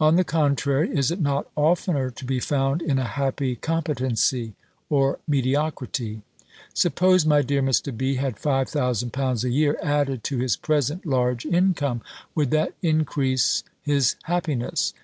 On the contrary, is it not oftener to be found in a happy competency or mediocrity? Suppose my dear Mr. B. had five thousand pounds a year added to his present large income, would that increase his happiness?